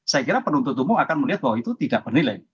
saya kira penuntut umum akan melihat bahwa itu tidak bernilai